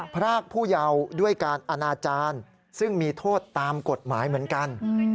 พรากผู้เยาว์ด้วยการอนาจารย์ซึ่งมีโทษตามกฎหมายเหมือนกัน